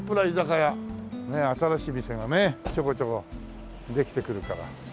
ねえ新しい店がねちょこちょこできてくるから。